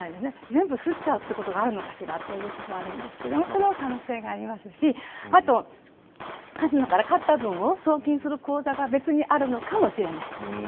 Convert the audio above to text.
全部すっちゃうこともあるのかしらと思うんですけどそれも反省がありますしカジノから勝った分を送金する構図が別にあるかもしれない。